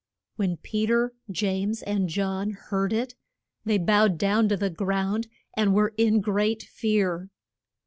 When Pe ter, James, and John heard it, they bowed down to the ground, and were in great fear.